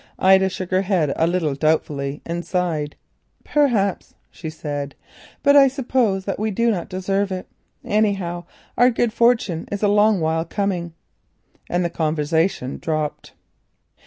Ida shook her head a little doubtfully and sighed. "Perhaps," she said, "but I suppose that we do not deserve it. Anyhow, our good fortune is a long while coming," and the conversation dropped.